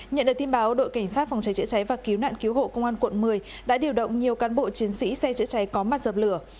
nhận được tin báo đội cảnh sát phòng cháy chữa cháy và cứu nạn cứu hộ công an quận một mươi đã điều động nhiều cán bộ chiến sĩ xe chữa cháy có mặt dập lửa